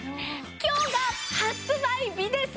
今日が発売日です！